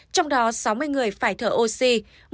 trong đó sáu mươi người phải thở oxy